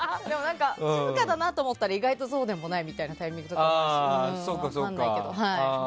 静かだなと思ったら意外とそうでもないみたいなタイミングとかありますから分かんないけど。